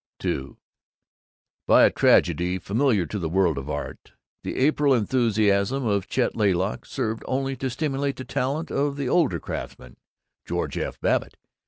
II By a tragedy familiar to the world of art, the April enthusiasm of Chet Laylock served only to stimulate the talent of the older craftsman, George F. Babbitt.